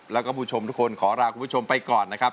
แล้วคุณผู้ชมขอลาคุณผู้ชมไปก่อนนะครับ